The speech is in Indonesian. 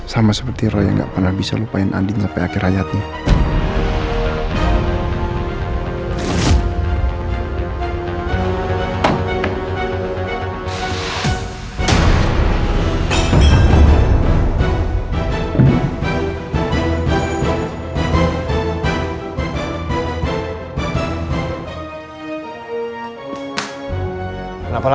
sama seperti roy yang gak pernah bisa lupain andin sampai akhir hayatnya